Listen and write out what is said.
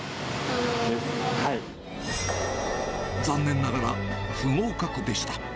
残念ながら不合格でした。